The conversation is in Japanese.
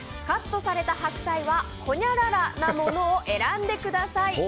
カットされた白菜はほにゃららなものを選んでください。